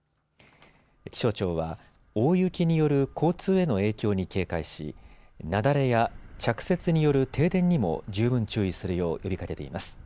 気象庁は大雪による交通への影響に警戒し雪崩や着雪による停電にも十分注意するよう呼びかけています。